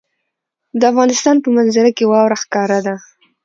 د افغانستان په منظره کې واوره ښکاره ده.